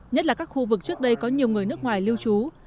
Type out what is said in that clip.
nhất là các khu vực trước đây có nhiều người nước ngoài lưu trú